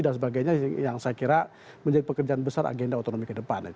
dan sebagainya yang saya kira menjadi pekerjaan besar agenda otonomi ke depan